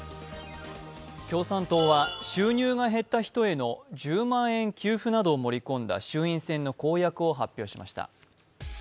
共産党は収入が減った人への１０万円給付などを盛り込んだ公約を発表しました。